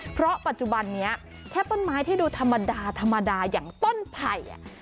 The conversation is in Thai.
เพราะปัจจุบันนี้แค่ต้นไม้ที่ดูธรรมดาธรรมดาอย่างต้นไผ่